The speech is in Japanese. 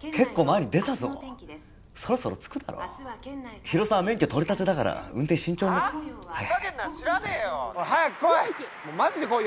結構前に出たぞそろそろ着くだろ広沢免許取りたてだから運転慎重に☎ふざけんな知らねえよ早く来いもうマジで来いよ